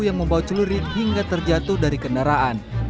yang membawa celurit hingga terjatuh dari kendaraan